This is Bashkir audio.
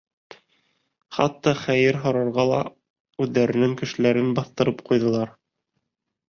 Хатта хәйер һорарға ла үҙҙәренең кешеләрен баҫтырып ҡуйҙылар.